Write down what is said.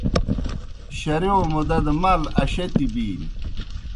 شرِیؤ مُدا دہ مال اشَتیْ بِینیْ۔